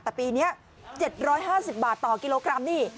แต่ปีนี้๗๕๐บาทต่อกิโลกรัมนี่